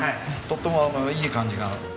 とってもいい感じが。